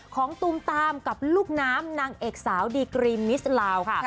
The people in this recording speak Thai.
ตูมตามกับลูกน้ำนางเอกสาวดีกรีมมิสลาวค่ะ